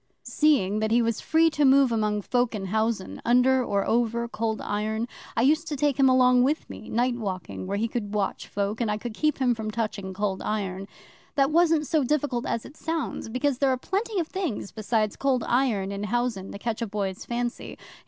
'Seeing that he was free to move among folk in housen, under or over Cold Iron, I used to take him along with me, night walking, where he could watch folk, and I could keep him from touching Cold Iron. That wasn't so difficult as it sounds, because there are plenty of things besides Cold Iron in housen to catch a boy's fancy.